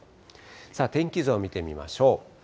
天気図を見てみましょう。